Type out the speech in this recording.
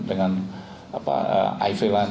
dengan iv line